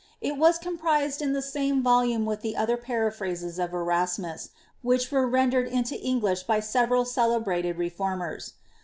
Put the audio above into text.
It was comprved in the same vohune with the other paraphrases of Erasmus, which were rendered into English by several celebrated Reformers.